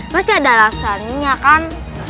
pasti ada alasan ya kan